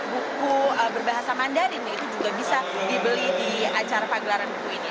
buku berbahasa mandarin itu juga bisa dibeli di acara pagelaran buku ini